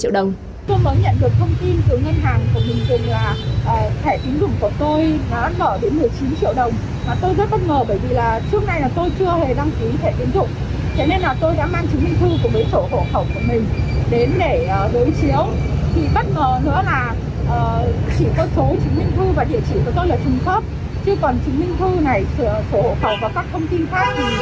chỉ cần giấy chứng minh thư này sổ hộ phẩm và các thông tin khác thì đều hoàn toàn sai lệch